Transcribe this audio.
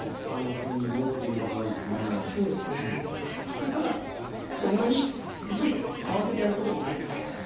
まあただそんなに急いでね慌ててやることもないので。